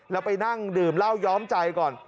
แล้วไปนั่งดื่มเหล้าย้อมใจก่อน